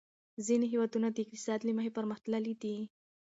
ځینې هېوادونه د اقتصاد له مخې پرمختللي دي.